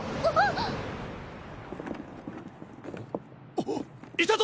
あっいたぞ！